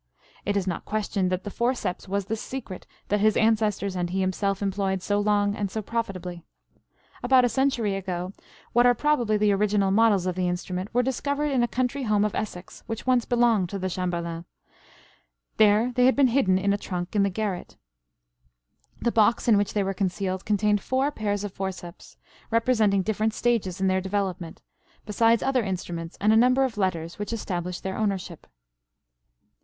It is not questioned that the forceps was the secret that his ancestors and he himself employed so long and so profitably. About a century ago what are probably the original models of the instrument were discovered in a country home of Essex which once belonged to the Chamberlens; there they had been hidden in a trunk in the garret. The box in which they were concealed contained four pairs of forceps, representing different stages in their development, besides other instruments and a number of letters which established their ownership.